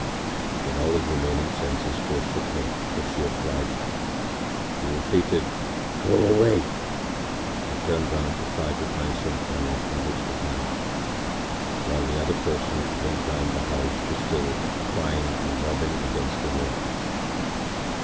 Then all his remaining senses forsook him from sheer fright. He repeated: “Go away!” and turned round to try to find some corner in which to hide, while the other person went round the house still crying and rubbing against the wall.